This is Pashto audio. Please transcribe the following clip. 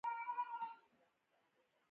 بغیر له دې چې په دلیل یې پوه شوو.